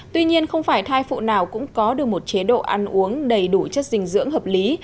tuy nhiên không phải thai phụ nào cũng có được một chế độ ăn uống đầy đủ chất dinh dưỡng hợp lý